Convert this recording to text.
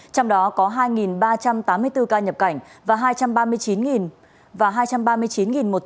trong đó có hai ba trăm tám mươi bốn ca nhập cảnh và hai trăm ba mươi chín một trăm năm mươi chín ca nhiễm trong nước